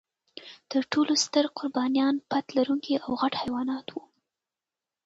تر ټولو ستر قربانیان پت لرونکي او غټ حیوانات و.